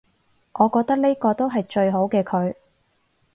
我覺得呢個都係最好嘅佢